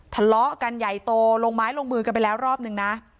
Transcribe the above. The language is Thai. ทะเลาะกันใหญ่โตลงไม้ลงมือกันไปแล้วรอบนึงนะ